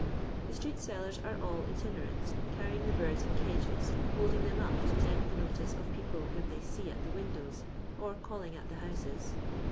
The street sellen are also itberant, carr3ring the birds in cages, holding them up to tempt the notice of people whom they see at the windows, or calling at the houses.